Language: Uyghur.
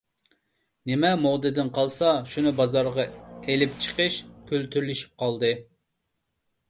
نېمە مودىدىن قالسا شۇنى بازارغا ئېلىپ چىقىش كۈلتۈرلىشىپ قالدى.